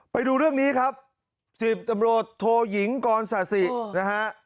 ไปดูเรื่องนี้ครับ๑๐ตำรวจโทยิงกรศาสินะฮะ